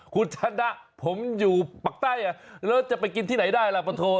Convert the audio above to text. คุณชนะผมอยู่ปากใต้แล้วจะไปกินที่ไหนได้ล่ะปะโท